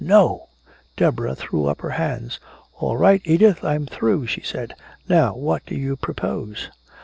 "No!" Deborah threw up her hands: "All right, Edith, I'm through," she said. "Now what do you propose?"